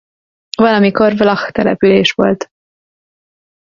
Valamikor vlach település volt.